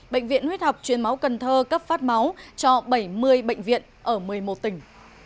bệnh viện huyết học chuyên máu cần thơ cấp phát máu cho bảy mươi bệnh viện ở một mươi một tỉnh